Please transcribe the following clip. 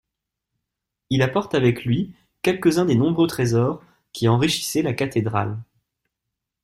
Il apporte avec lui quelques-uns des nombreux trésors qui enrichissaient la cathédrale.